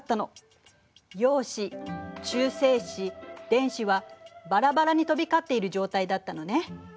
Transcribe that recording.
電子はバラバラに飛び交っている状態だったのね。